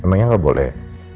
emangnya gak boleh